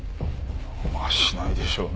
まあしないでしょうね。